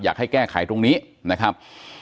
อยากให้แก้ไขตรงนี้นะครับ